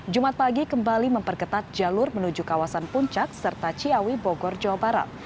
jumat pagi kembali memperketat jalur menuju kawasan puncak serta ciawi bogor jawa barat